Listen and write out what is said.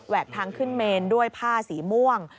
ทางขึ้นเมนด้วยผ้าสีม่วง